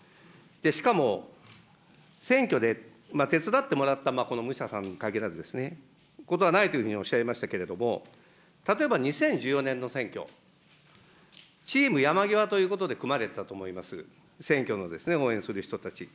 しかも、選挙で手伝ってもらった武者さんに限らずですね、ないというふうにおっしゃいましたけれども、例えば２０１４年の選挙、チーム山際ということで組まれたと思います、選挙の応援する人たち。